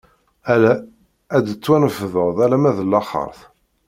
Ala, ad d-tettwanefḍeḍ alamma d laxeṛt!